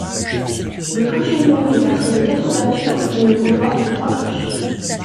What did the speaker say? Le clocher-mur est percé de quatre ouvertures, mais ne comporte que trois cloches.